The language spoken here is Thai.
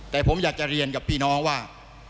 แต่ผมอยากจะเรียนกับพี่น้องว่า